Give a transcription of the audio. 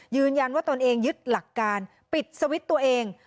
ยืนยันว่าตนเองยึดหลักการปิดสวิตช์ตัวเอง